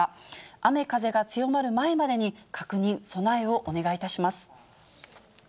雨、風が強まる前までに確認、備えをお願いいたします。